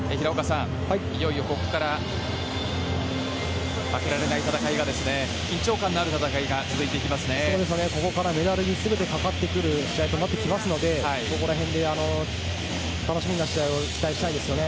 いよいよ、ここから負けられない戦い緊張感のある戦いがここからメダルにかかってくる試合になりますので楽しみな試合を期待したいですよね。